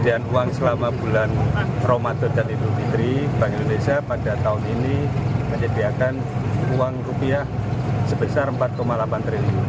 dan uang selama bulan ramadan dan idul fitri bank indonesia pada tahun ini menyediakan uang rupiah sebesar rp empat delapan triliun